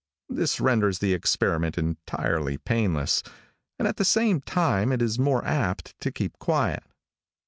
This renders the experiment entirely painless, and at the same time it is more apt to keep quiet.